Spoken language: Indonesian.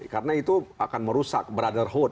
karena itu akan merusak brotherhood